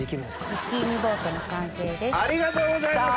ズッキーニボートの完成です。